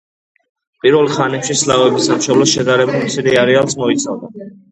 პირველ ხანებში სლავების სამშობლო შედარებით მცირე არეალს მოიცავდა.